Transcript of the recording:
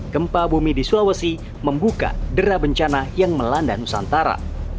gempa bumi di sulawesi membuka dera bencana yang melanda nusantara